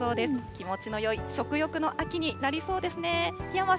気持ちのよい食欲の秋になりそうですね。